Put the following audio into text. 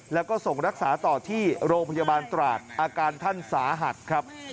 แล้วก็ส่งรักษาต่อที่โรงพยาบาลตราดอาการท่านสาหัสครับ